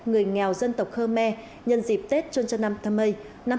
người nghèo dân tộc khơ me nhân dịp tết trôn trân năm tháng mây